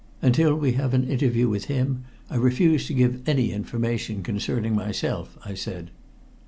Until we have an interview with him, I refuse to give any information concerning myself," I said.